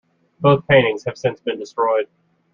Both paintings have since been destroyed.